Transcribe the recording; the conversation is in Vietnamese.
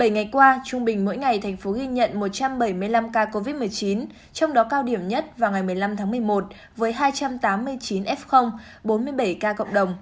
bảy ngày qua trung bình mỗi ngày thành phố ghi nhận một trăm bảy mươi năm ca covid một mươi chín trong đó cao điểm nhất vào ngày một mươi năm tháng một mươi một với hai trăm tám mươi chín f bốn mươi bảy ca cộng đồng